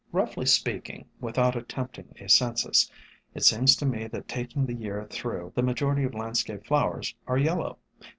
Roughly speaking, without attempting a census, it seems to me that taking the year through, the majority of landscape flowers are yellow.